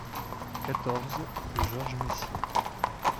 quatorze rue Georges Messier